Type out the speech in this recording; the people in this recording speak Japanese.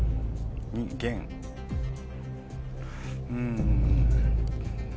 うん。